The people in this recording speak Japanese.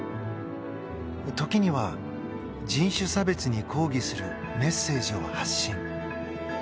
時には人種差別に抗議するメッセージを発信。